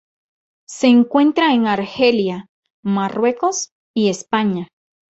Se encuentra en Argelia, Marruecos y España.